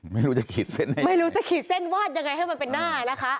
ไม่รู้จะขีดเส้นวาดยังไงให้มันเป็นหน้านะคะ